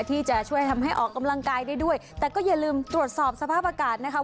ที่จะช่วยทำให้ออกกำลังกายได้ด้วยแต่ก็อย่าลืมตรวจสอบสภาพอากาศนะคะ